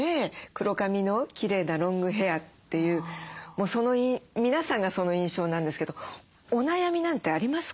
黒髪のきれいなロングヘアというもう皆さんがその印象なんですけどお悩みなんてありますか？